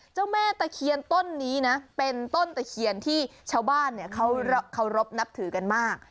เจ้าแม่ตะเคียนต้นนี้นะเป็นต้นตะเคียนที่ชาวบ้านเขาเคารพนับถือกันมาก